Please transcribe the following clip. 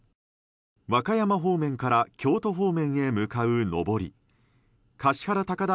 和歌山方面から京都方面へ向かう上り橿原高田